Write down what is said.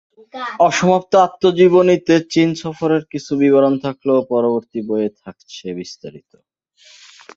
অসমাপ্ত আত্মজীবনীতে চীন সফরের কিছু বিবরণ থাকলেও পরবর্তী বইয়ে থাকছে বিস্তারিত।